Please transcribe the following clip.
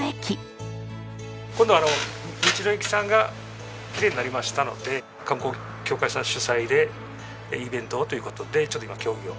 今度あの道の駅さんがきれいになりましたので観光協会さん主催でイベントをという事でちょっと今協議を。